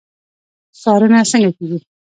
څارنه څنګه کیږي؟